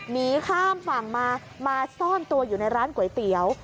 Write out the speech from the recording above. หนีข้ามฝั่งมามาซ่อนตัวอยู่ในร้านก๋วยเตี๋ยว